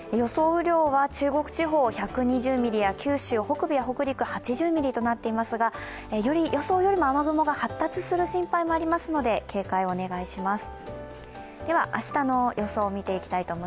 雨量は中国地方１２０ミリや九州北部・北陸８０ミリとなっていますが予想よりも雨雲が発達する心配がありますので警戒をお願いします。